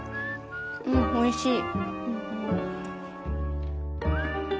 うんおいしい。